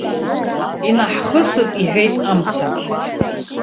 Инаҳхысып, иҳәеит, амца.